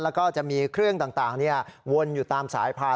แล้วก็จะมีเครื่องต่างวนอยู่ตามสายพาน